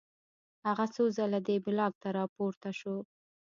هغه څو ځله دې بلاک ته راپورته شو